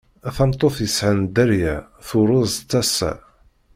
Tameṭṭut yesɛan dderya turez s tasa.